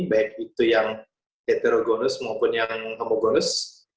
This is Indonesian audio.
baik itu yang heterogonus maupun yang homogonus